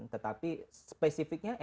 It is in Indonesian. tetapi spesifiknya nft itu